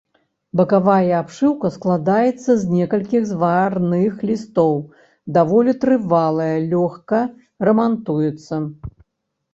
Бакавая абшыўка складаецца з некалькіх зварных лістоў, даволі трывалая, лёгка рамантуецца.